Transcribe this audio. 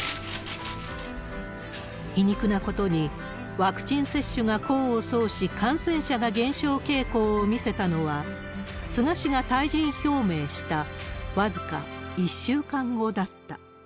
皮肉なことに、ワクチン接種が功を奏し、感染者が減少傾向を見せたのは、菅氏が退陣表明した僅か１週間後だった。